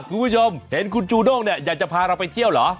คุณผู้ชมเห็นคุณจูด้งเนี่ยอยากจะพาเราไปเที่ยวเหรอ